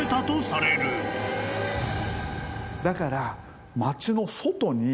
だから。